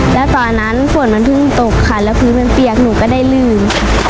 แล้วตอนนั้นฝนมันเพิ่งตกค่ะแล้วพื้นมันเปียกหนูก็ได้ลื่นค่ะ